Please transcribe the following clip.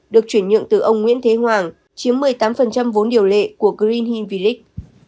được chuyển nhượng từ ông nguyễn thế hoàng chiếm một mươi tám vốn điều lệ của green hill village